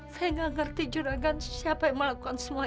saya tidak mengerti jorokan siapa yang melakukan semua ini